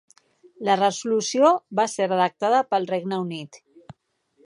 La resolució va ser redactada pel Regne Unit.